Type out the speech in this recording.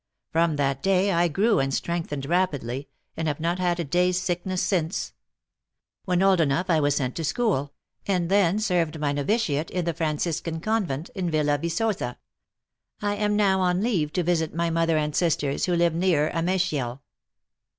From that day I grew and strengthened rapidly, and have not had a day s sickness since. When old enough I was sent to school, and then served my noviciate in the Franciscan convent in Villa Yicosa. I am now on leave to visit my mother and sisters, who live near Ameixial."